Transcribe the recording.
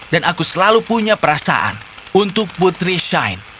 dan aku selalu punya perasaan untuk putri shine